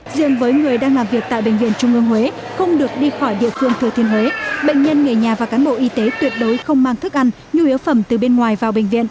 riêng với người đang làm việc tại bệnh viện trung ương huế không được đi khỏi địa phương thừa thiên huế bệnh nhân người nhà và cán bộ y tế tuyệt đối không mang thức ăn nhu yếu phẩm từ bên ngoài vào bệnh viện